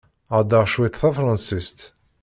Heddṛeɣ cwiṭ tafṛansist.